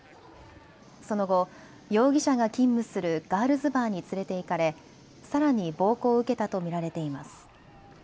その後、容疑者が勤務するガールズバーに連れて行かれさらに暴行を受けたと見られています。